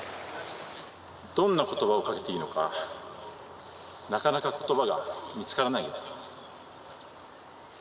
どんな言葉を掛けて良いのかなかなか言葉が見つからないよ。